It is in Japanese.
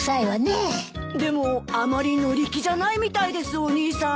でもあまり乗り気じゃないみたいですお兄さん。